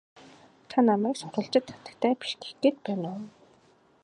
Та намайг сурвалжит хатагтай биш гэх гээд байна уу?